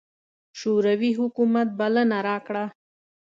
شوروي حکومت بلنه راکړه.